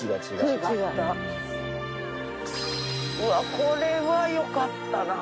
うわっこれはよかったな。